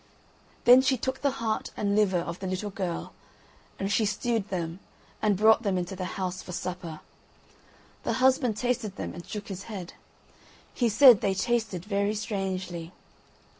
Then she took the heart and liver of the little girl, and she stewed them and brought them into the house for supper. The husband tasted them and shook his head. He said they tasted very strangely.